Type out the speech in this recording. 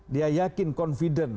dia yakin confident